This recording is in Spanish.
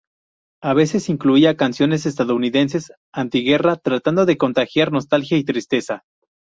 A veces incluía canciones estadounidenses antiguerra, tratando de contagiar nostalgia y tristeza.